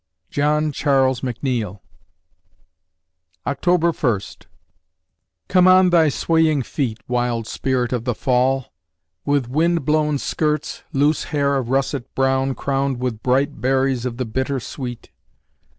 JOHN CHARLES MCNEILL October First Come on thy swaying feet, Wild Spirit of the Fall! With wind blown skirts, loose hair of russet brown Crowned with bright berries of the bitter sweet.